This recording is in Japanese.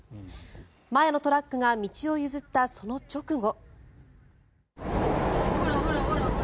前のトラックが道を譲ったその直後。